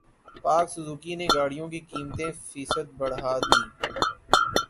پاک سوزوکی نے گاڑیوں کی قیمتیں فیصد بڑھا دیں